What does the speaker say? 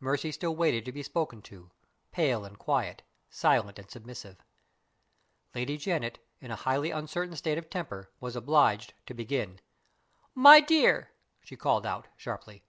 Mercy still waited to be spoken to; pale and quiet, silent and submissive. Lady Janet in a highly uncertain state of temper was obliged to begin. "My dear!" she called out, sharply.